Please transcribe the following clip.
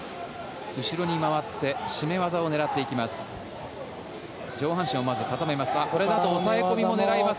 後ろに回って絞め技を狙います。